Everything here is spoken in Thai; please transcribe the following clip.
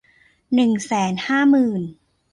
หนึ่งแสนห้าหมื่น